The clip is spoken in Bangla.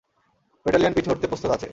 ব্যাটালিয়ন পিছু হটতে প্রস্তুত আছে।